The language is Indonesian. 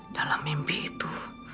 dalam mimpi itu